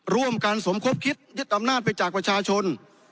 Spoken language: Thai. ร่วมกันสมคบคิดยึดอำนาจไปจากประชาชน